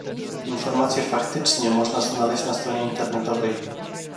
Informacje faktycznie można znaleźć na stronie internetowej